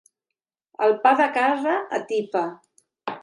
El pa de casa atipa.